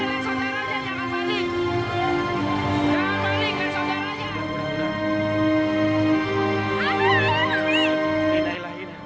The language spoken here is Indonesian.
lihat saudaranya lihat saudaranya jangan balik